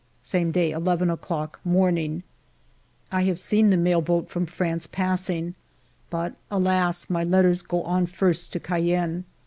Same day^ 1 1 o'clock, morning, I have seen the mail boat from France passing. But, alas ! my letters go on first to Cayenne.